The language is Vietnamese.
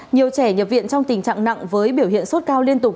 nhiều trẻ nhập viện trong tình trạng nặng với biểu hiện sốt cao liên tục